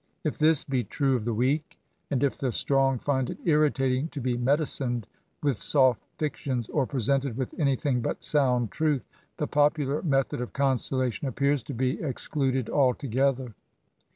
If this be true of the weak, and if the cttrong £bd it irritatang to be medicined with soft fictions, or presented with anything but sonnd truth, the popular method of consolation appears to be excluded altc^ether.